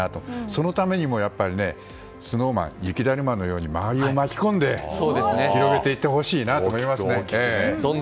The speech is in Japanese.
そのためにもスノーマン、雪だるまのように周りを巻き込んで広げていってほしいなと思います。